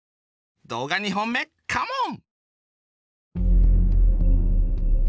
動画２本目カモン！